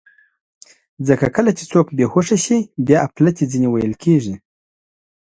ځکه کله چې څوک بېهوښه شي، بیا اپلتې ځینې ویل کېږي.